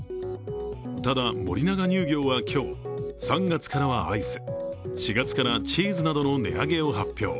ただ、森永乳業は今日、３月からはアイス、４月からはチーズなどの値上げを発表。